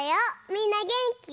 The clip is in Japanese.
みんなげんき？